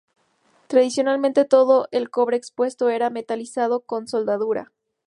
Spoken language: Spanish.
Tradicionalmente, todo el cobre expuesto era metalizado con soldadura.